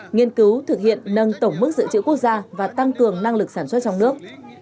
nghiên cứu thực hiện nâng tổng mức dự trữ quốc gia và tăng cường năng lực sản xuất trong nước